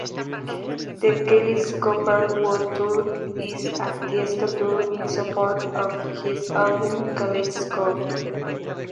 The Kaleidoscope World Tour is a Tiësto tour in support of his album "Kaleidoscope".